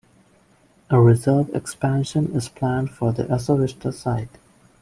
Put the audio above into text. A reserve expansion is planned for the Esowista site.